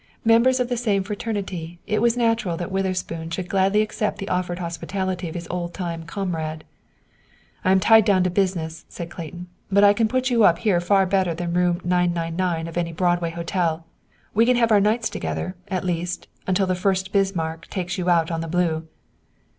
Members of the same fraternity, it was natural that Witherspoon should gladly accept the offered hospitality of his old time comrade, "I am tied down to business," said Clayton, "but I can put you up here far better than Room 999 of any Broadway hotel. We can have our nights together, at least, until the 'Fuerst Bismarck' takes you out on the blue."